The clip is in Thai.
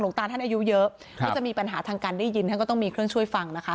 หลงตาท่านอายุเยอะจะมีปัญหาทางการได้ยินก็ต้องมีเพื่อนช่วยฟัง